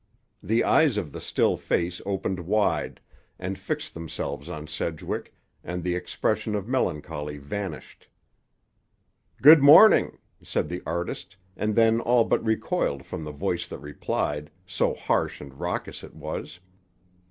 The eyes of the still face opened wide, and fixed themselves on Sedgwick, and the expression of melancholy vanished. "Good morning," said the artist, and then all but recoiled from the voice that replied, so harsh and raucous it was.